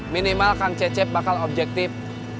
minimal kang cecep bakal objektif